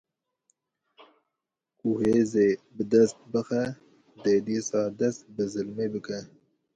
Ku hêzê bi dest bixe dê dîsa dest bi zilmê bike.